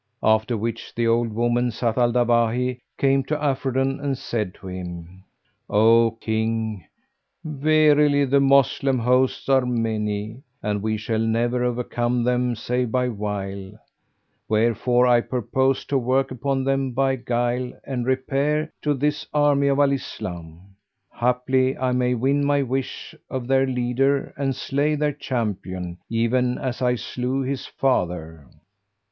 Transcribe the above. After which the old woman, Zat al Dawahi, came to Afridun and said to him, "O King, verily the Moslem hosts are many, and we shall never overcome them save by wile: wherefore I purpose to work upon them by guile and repair to this army of Al Islam, haply I may win my wish of their leader and slay their champion, even as I slew his father.